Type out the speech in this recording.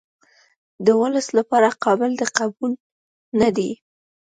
د ولس لپاره قابل د قبول نه دي.